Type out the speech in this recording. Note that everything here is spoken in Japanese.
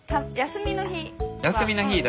休みの日は。